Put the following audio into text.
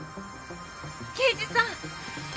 刑事さん！